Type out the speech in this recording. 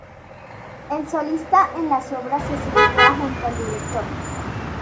El solista en las obras se sitúa junto al director.